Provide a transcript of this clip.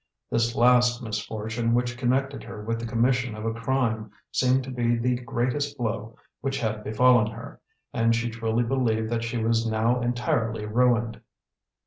This last misfortune which connected her with the commission of a crime seemed to be the greatest blow which had befallen her, and she truly believed that she was now entirely ruined.